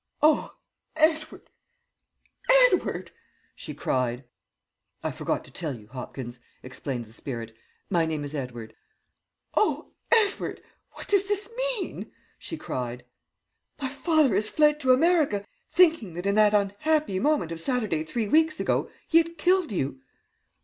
"'Oh, Edward, Edward,' she cried 'I forgot to tell you, Hopkins,' explained the spirit, 'my name was Edward' 'oh, Edward, what does this mean?' she cried. 'My father has fled to America, thinking that in that unhappy moment of Saturday three weeks ago he had killed you.'